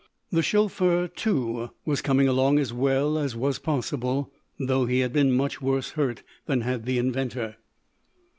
The chauffeur, too, was coming along as well as was possible, though he had been much worse hurt than had the inventor.